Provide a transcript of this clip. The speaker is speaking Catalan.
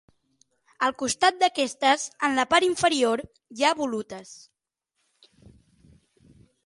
Al costat d'aquestes, en la part inferior, hi ha volutes.